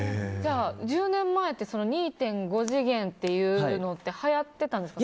１０年前って２．５次元っていうのってはやっていたんですか？